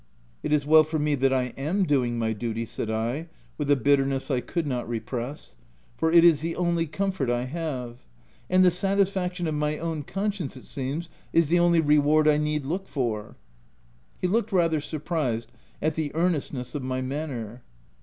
" It is well for me that I am doing my duty," said I, with a bitterness I could not repress, " for it is the only comfort I have ; and the satisfaction of my own conscience, it seems, is the only reward I need look for I" He looked rather surprised at the earnest ness of my manner.